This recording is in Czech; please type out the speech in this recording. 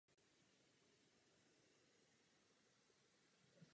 Opakem výrazu "in vitro" je "ex vitro".